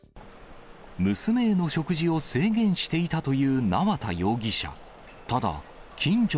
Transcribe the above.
娘への食事を制限していたという縄田容疑者。